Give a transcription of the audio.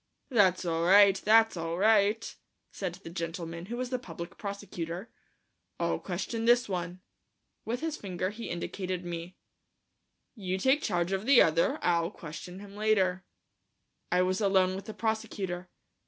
"That's all right, that's all right," said the gentleman, who was the public prosecutor, "I'll question this one." With his finger he indicated me. "You take charge of the other; I'll question him later." I was alone with the prosecutor.